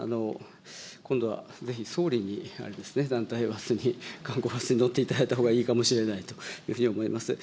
今度はぜひ総理に、団体バスに、観光バスに乗っていただいたほうがいいかもしれないというふうに思います。